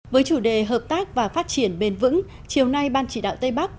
với chủ đề hợp tác và phát triển bền vững chiều nay ban chỉ đạo tây bắc